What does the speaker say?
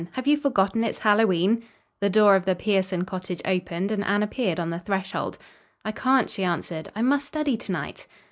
Have you forgotten it's Hallowe'en?" The door of the Pierson cottage opened and Anne appeared on the threshhold. "I can't," she answered; "I must study to night."